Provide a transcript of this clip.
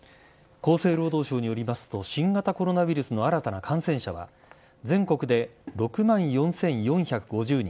厚生労働省によりますと新型コロナウイルスの新たな感染者は全国で６万４４５０人